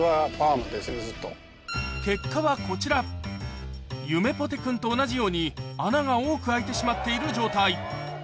結果はこちらゆめぽて君と同じように穴が多く開いてしまっている状態